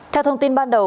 theo thông tin ban đầu